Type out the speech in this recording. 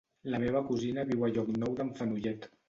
La meva cosina viu a Llocnou d'en Fenollet.